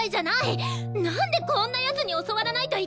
なんでこんな奴に教わらないといけないのよ！